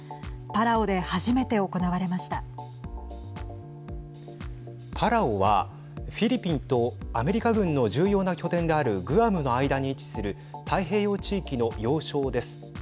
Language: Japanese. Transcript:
パラオはフィリピンとアメリカ軍の重要な拠点であるグアムの間に位置する太平洋地域の要衝です。